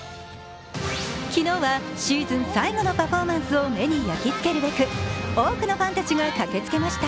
昨日はシーズン最後のパフォーマンスを目に焼き付けるべく多くのファンたちが駆けつけました。